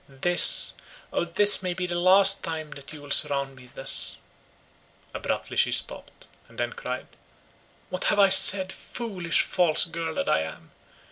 This, O this may be the last time that you will surround me thus!" Abruptly she stopped, and then cried: "What have I said?—foolish false girl that I am!"